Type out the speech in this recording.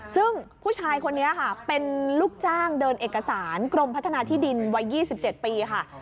ซึ่งผู้ชายคนนี้ค่ะเป็นลูกจ้างเดินเอกสารกรมพัฒนาที่ดินวัย๒๗ปีค่ะ